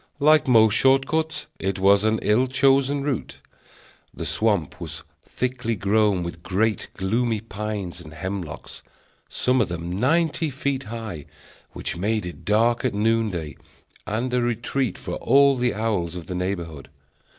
Like most short cuts, it was an ill chosen route. The swamp was thickly grown with great, gloomy pines and hemlocks, some of them ninety feet high, which made it dark at noonday and a retreat for all the owls of the neighborhood.